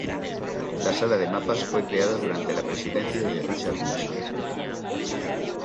La Sala de Mapas fue creada durante la presidencia de Richard Nixon.